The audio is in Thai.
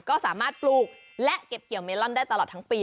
ก็สามารถปลูกและเก็บเกี่ยวเมลอนได้ตลอดทั้งปี